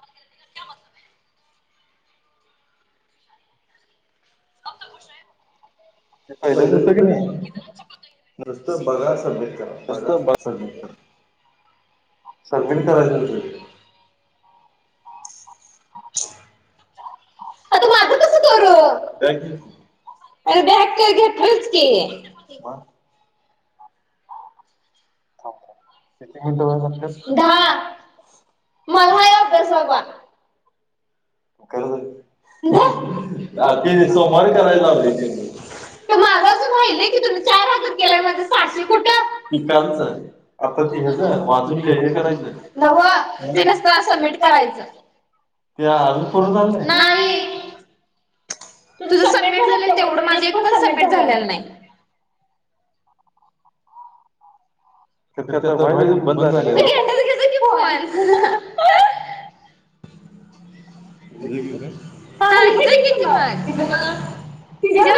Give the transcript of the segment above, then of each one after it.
ऐसी गलती का क्या मतलब है. अब तो खुश रहे हो. ते पहिलंच होत [unintelligible] नुसतं बघा सभ्येत. बला सर आहे. सबमिट करायचं होतं ते. आता माझ कस करू? ह [unintelligible] मगय अभ्यास बाबा. कर आ तेने सोमवार करायलाव. तर माराज माहिय की तु चार हदत केला माझ साशू कुठं. आता ती हज वाचली व करायची न ट सबमिट कराय. तहर पुरतच नाय तुझं सबमिट झालं तेवढं माझे एक पण सबमिट झालेलं नाही. तर भा बंद झालं की फोन. [unintelligible] ति झा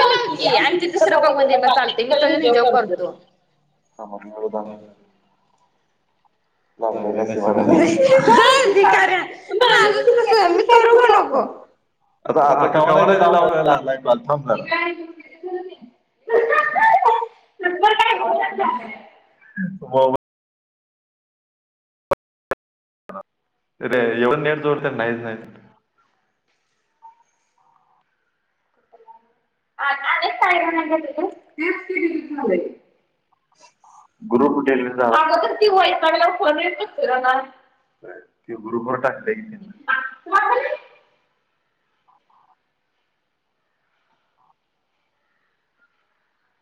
नकी आणि ती दुसर द्यायला चालते मी त्याला जेव करतो. ह म म [unintelligible] [unintelligible] आता आता कामा नाही तर लावल थांब झा. [unintelligible] अरे एवढ नेट जोरत नाहीच नाही. आता आणि काय म्हणत होते तु त्यात क्रेडिट झालंय. ग्रुप कुठे आहे तुझा अग पण ती वैताग आल्यावर फोन येईल ती फिरून अन ति गरुपर टाक.